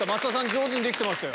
上手にできてましたよ。